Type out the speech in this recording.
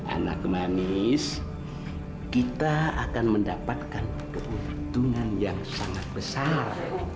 anak manis kita akan mendapatkan keuntungan yang sangat besar